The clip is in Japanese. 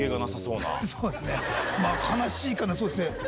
悲しいかなそうですね。